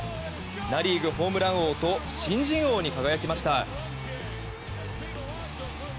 ナ・リーグホームラン王と新人王に輝きました。